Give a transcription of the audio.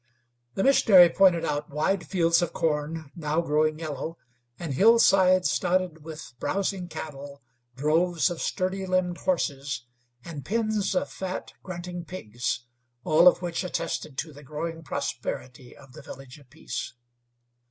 The missionary pointed out wide fields of corn, now growing yellow, and hillsides doted with browsing cattle, droves of sturdy limbed horses, and pens of fat, grunting pigs all of which attested to the growing prosperity of the Village of Peace.